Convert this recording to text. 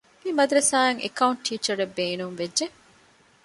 މި މަދަރަސާއަށް އެކައުންޓް ޓީޗަރަކު ބޭނުން ވެއްޖެ